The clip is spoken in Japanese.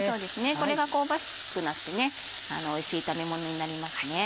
これが香ばしくなっておいしい炒めものになりますね。